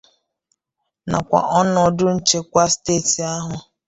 nakwa ọnọdụ nchekwa steeti ahụ.